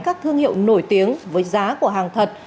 các thương hiệu nổi tiếng với giá của hàng thật